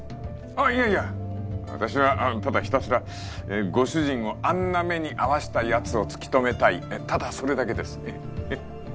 いやいや私はただひたすらご主人をあんな目に遭わしたやつを突き止めたいただそれだけです